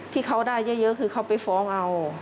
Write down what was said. ที่เขาได้เยอะคือเขาไปฟ้องเอา